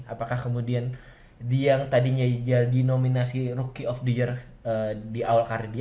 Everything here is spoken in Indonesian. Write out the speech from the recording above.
apakah kemudian dia yang tadinya jadi nominasi rookie of the year di awal kardia